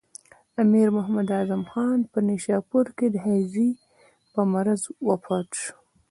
امیر محمد اعظم خان په نیشاپور کې د هیضې په مرض وفات شو.